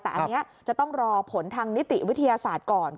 แต่อันนี้จะต้องรอผลทางนิติวิทยาศาสตร์ก่อน